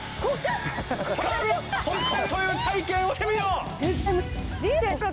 飛び越えるという体験をしてみよう！